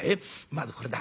まずこれだ。